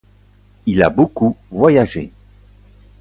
Il a beaucoup voyagé.